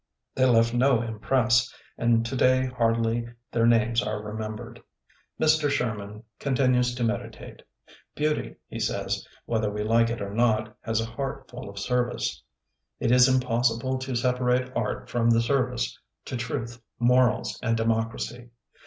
They left no impress, and today hardly their names are remembered. Mr. Sherman continues to meditate. Beauty, he says, whether we like it or not, has a heart full of service. It is impossible to separate art from the service to truth, morals, and democ racy.